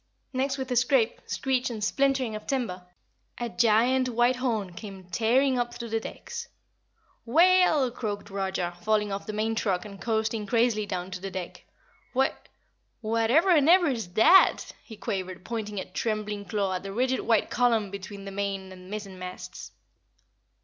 Next with a scrape, screech and splintering of timber, a giant white horn came tearing up through the decks. "Whale! Whale!" croaked Roger, falling off the main truck and coasting crazily down to the deck. "Wha what ever'n ever's that?" he quavered, pointing a trembling claw at the rigid white column between the main and mizzenmasts.